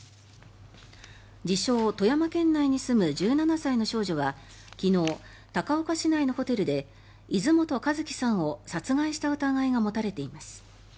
自称・富山県内に住む１７歳の少女は昨日、高岡市内のホテルで泉本和希さんを殺害した疑いが持たれています。